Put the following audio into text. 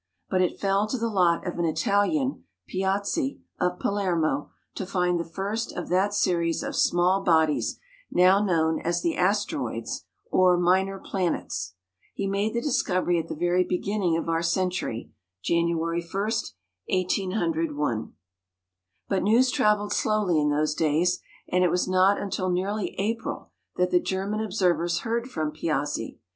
But it fell to the lot of an Italian, Piazzi, of Palermo, to find the first of that series of small bodies now known as the asteroids or minor planets. He made the discovery at the very beginning of our century, January 1, 1801. But news travelled slowly in those days, and it was not until nearly April that the German observers heard from Piazzi.